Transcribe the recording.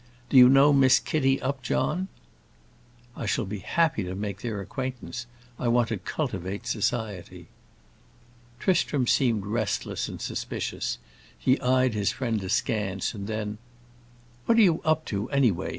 Do you know Miss Kitty Upjohn?" "I shall be happy to make their acquaintance; I want to cultivate society." Tristram seemed restless and suspicious; he eyed his friend askance, and then, "What are you up to, anyway?"